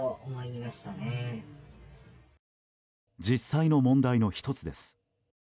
実際の問題の１つです。